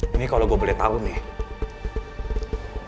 ini kalo gua boleh tau nih